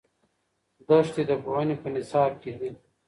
دښتې د پوهنې په نصاب کې دي.